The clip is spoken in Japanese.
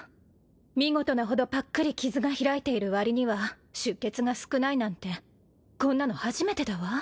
見事なほどぱっくり傷が開いているわりには出血が少ないなんてこんなの初めてだわ。